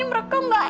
amisme dari jahat